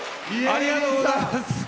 ありがとうございます。